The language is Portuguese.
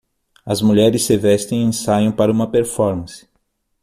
As mulheres se vestem e ensaiam para uma performance.